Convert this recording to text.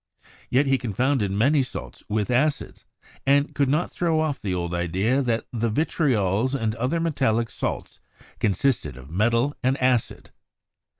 Yet he confounded many salts with acids, and could not throw off the old idea that the vitriols and other metallic salts consisted of metal and acid.